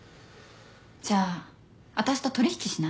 じゃあ私と取引しない？